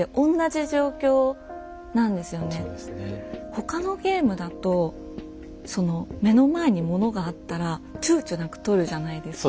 他のゲームだと目の前にものがあったらちゅうちょなくとるじゃないですか。